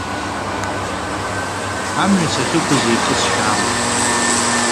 Амҩа сахьықәыз еихысшьаалон.